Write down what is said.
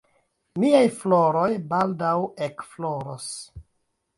Miaj floroj baldaŭ ekfloros.